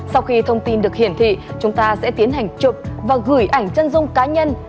sau khi thông tin được hiển thị chúng ta sẽ tiến hành chụp và gửi ảnh chân dung cá nhân